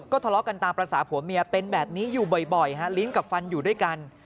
ทะเลาะกันตามภาษาผัวเมียเป็นแบบนี้อยู่บ่อยฮะลิ้นกับฟันอยู่ด้วยกัน